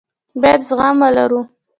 بايد زغم ولرو.